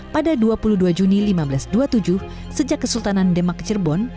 pada dua puluh dua juni seribu lima ratus dua puluh tujuh sejak kesultanan demak cirebon